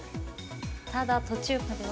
ただ途中までは。